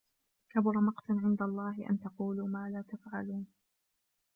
كَبُرَ مَقْتًا عِنْدَ اللَّهِ أَنْ تَقُولُوا مَا لَا تَفْعَلُونَ